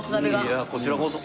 いえこちらこそ。